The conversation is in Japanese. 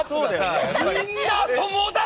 みんな、友達！